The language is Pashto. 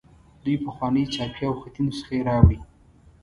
دوی پخوانۍ چاپي او خطي نسخې راوړي.